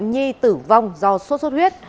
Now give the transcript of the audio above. bệnh nhi tử vong do sốt sốt huyết